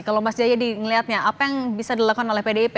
kalau mas jayadi melihatnya apa yang bisa dilakukan oleh pdip